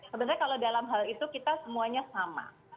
sebenarnya kalau dalam hal itu kita semuanya sama